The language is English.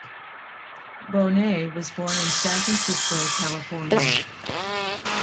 Bonet was born in San Francisco, California.